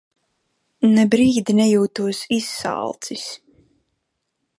Ne brīdi nejūtos izsalcis.